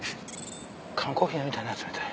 缶コーヒー飲みたいな冷たい。